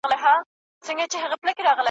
مځکه هغه سوزي چي اور پر بل وي `